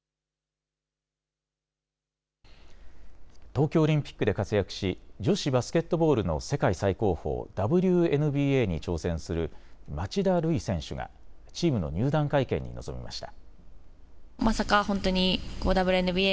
東京オリンピックで活躍し女子バスケットボールの世界最高峰、ＷＮＢＡに挑戦する町田瑠唯選手がチームの入団会見に臨みました。